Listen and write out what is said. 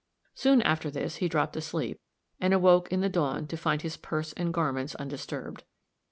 Soon after this he dropped asleep, and awoke in the dawn to find his purse and garments undisturbed.